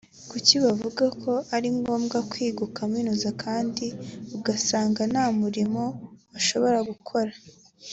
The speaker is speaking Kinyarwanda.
Kuki bavuga ko ari ngombwa kwiga ukaminuza kandi ugasanga nta murimo bashobora gukora